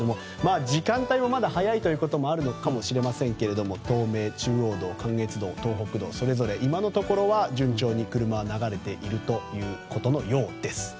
時間帯もまだ早いということもあるのかもしれませんけれども東名、中央道、関越道、東北道それぞれ今のところは順調に車は流れているということのようです。